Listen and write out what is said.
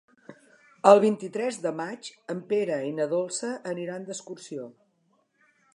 El vint-i-tres de maig en Pere i na Dolça aniran d'excursió.